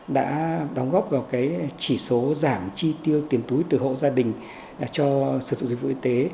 đã đóng góp vào cái chỉ số giảm chi tiêu tiền túi từ hộ gia đình cho sự dịch vụ y tế